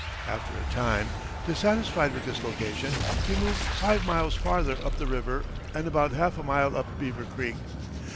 After a time, dissatisfied with this location, he moved five miles farther up the river and about half a mile up Beaver Creek.